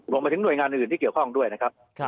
รวมไปถึงหน่วยงานอื่นที่เกี่ยวข้องด้วยนะครับ